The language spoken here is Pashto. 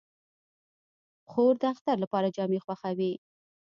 خور د اختر لپاره جامې خوښوي.